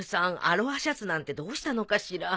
アロハシャツなんてどうしたのかしら？